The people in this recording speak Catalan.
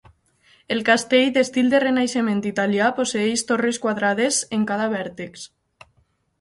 El castell, d'estil del Renaixement italià, posseeix torres quadrades en cada vèrtex.